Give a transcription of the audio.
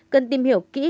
cần tìm hiểu kỹ